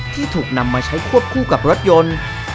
ที่ถูกนำมาใช้ควบคู่กับรถยนต์